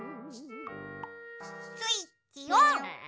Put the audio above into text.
スイッチオン！